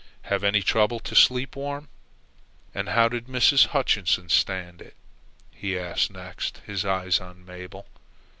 Have any trouble to sleep warm?" "And, how did Mrs. Hutchinson stand it?" he asked next, his eyes on Mabel.